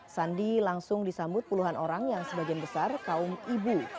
sandi langsung disambut puluhan orang yang sebagian besar kaum ibu